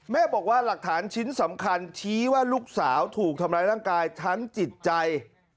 บอกว่าหลักฐานชิ้นสำคัญชี้ว่าลูกสาวถูกทำร้ายร่างกายทั้งจิตใจ